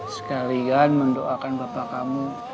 sekalian mendoakan bapak kamu